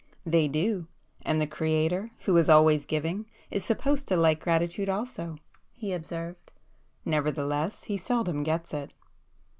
"They do. And the Creator, who is always giving, is supposed to like gratitude also,"—he observed—"Nevertheless He seldom gets it!"